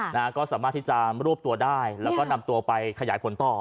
นะฮะก็สามารถที่จะรวบตัวได้แล้วก็นำตัวไปขยายผลต่อ